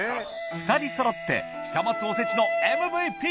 ２人そろって久松おせちのＭＶＰ！